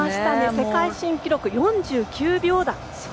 世界新記録４９秒台。